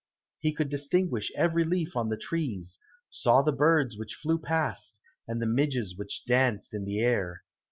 He could distinguish every leaf on the trees, saw the birds which flew past, and the midges which danced in the air.